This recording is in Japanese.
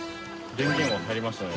電源は入りましたね。